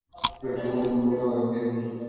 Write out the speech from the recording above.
মনে হয় রিফ্লেক্স।